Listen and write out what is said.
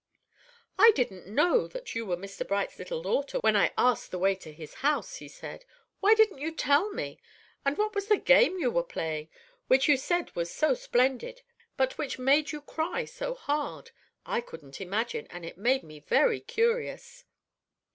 "I didn't know that you were Mr. Bright's little daughter when I asked the way to his house," he said "Why didn't you tell me? And what was the game you were playing, which you said was so splendid, but which made you cry so hard? I couldn't imagine, and it made me very curious."